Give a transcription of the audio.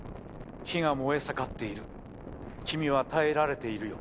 火が燃え盛っている君は耐えられているよ。